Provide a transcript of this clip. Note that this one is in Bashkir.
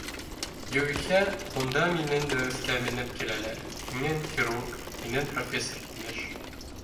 Юғиһә, бында минең дә өҫкә менеп киләләр, һинең хирург, һинең профессор, имеш